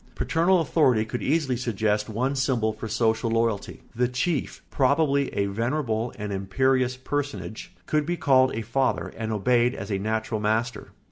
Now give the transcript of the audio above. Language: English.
Paternal authority could easily suggest one symbol for social loyalty: the chief, probably a venerable and imperious personage, could be called a father and obeyed as a natural master.